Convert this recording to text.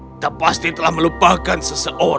kita pasti telah melupakan seseorang